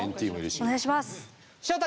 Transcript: お願いします。